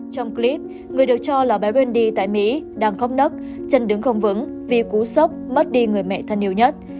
trong clip người được cho là béndy tại mỹ đang khóc nấc chân đứng không vững vì cú sốc mất đi người mẹ thân yêu nhất